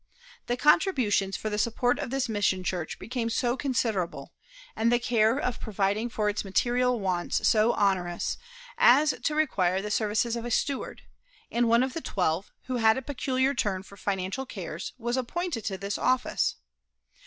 The contributions for the support of this mission church became so considerable, and the care of providing for its material wants so onerous, as to require the services of a steward, and one of the twelve, who had a peculiar turn for financial cares, was appointed to this office.